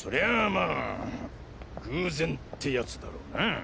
まあ偶然ってやつだろうな。